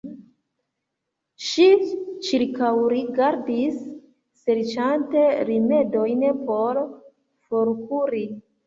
Ŝi ĉirkaŭrigardis, serĉante rimedojn por forkuri.